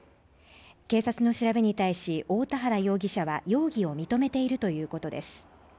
警察の調べに対し、太田原容疑者は容疑を認めているということです。